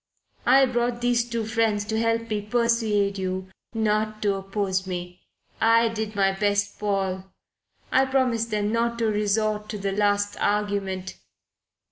I brought these two friends to help me persuade you not to oppose me. I did my best, Paul. I promised them not to resort to the last argument.